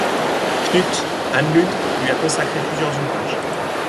Knut Ahnlund lui a consacré plusieurs ouvrages.